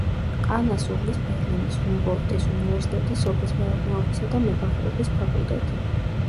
ყანას უვლის ბერლინის ჰუმბოლდტის უნივერსიტეტის სოფლის მეურნეობისა და მებაღეობის ფაკულტეტი.